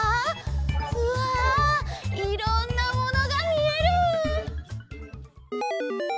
うわいろんなものがみえる！